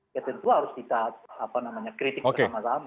ya tentu harus kita kritik bersama sama